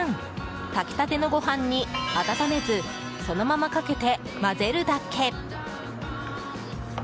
炊きたてのご飯に、温めずそのままかけて混ぜるだけ。